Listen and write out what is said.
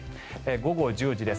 午後１０時です。